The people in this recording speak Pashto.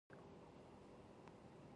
څه خبرې دي؟